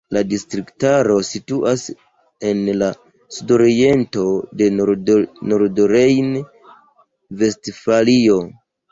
La distriktaro situas en la sudoriento de Nordrejn-Vestfalio.